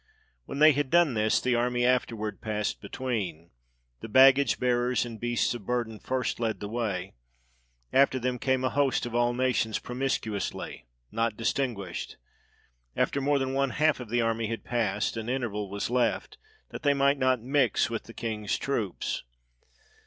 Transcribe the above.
When they had done this, the army afterward passed between. The baggage bearers and beasts of burden first led the way; after them came a host of all nations promiscuously, not distinguished: after more than one half of the army had passed, an interval was left, that they might not mix with the king's troops.